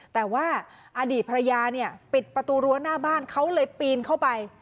แต่ว่าอดีตภรรยาเนี่ยปิดประตูรั้วหน้าบ้านเขาเลยปีนเข้าไป